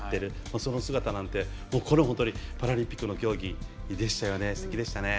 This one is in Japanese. その姿なんてこれは本当にパラリンピックの競技でした。